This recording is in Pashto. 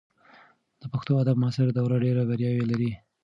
د پښتو ادب معاصره دوره ډېر بریاوې لري.